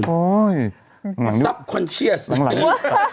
โอ้ยอีซ่าสำนึกหลังที่แวะหน้าอกบ่อยนะ